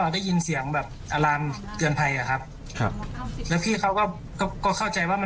ได้ยินเสียงแบบอารามเตือนภัยอ่ะครับครับแล้วพี่เขาก็ก็เข้าใจว่ามัน